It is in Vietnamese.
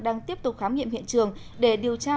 đang tiếp tục khám nghiệm hiện trường để điều tra